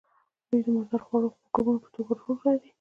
دوی د مردار خورو مکروبونو په توګه رول لوبوي.